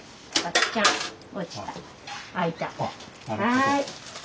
はい。